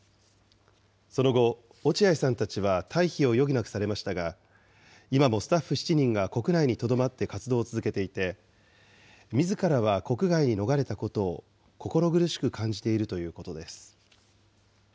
その後、落合さんたちは退避を余儀なくされましたが、今もスタッフ７人が国内にとどまって活動を続けていて、みずからは国外に逃れたことを心苦しく感じているということです。